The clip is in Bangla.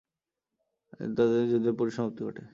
কিন্তু ততদিনে যুদ্ধের পরিসমাপ্তি ঘটে।